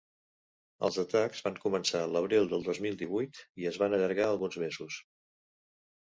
Els atacs van començar l’abril de dos mil divuit i es van allargar alguns mesos.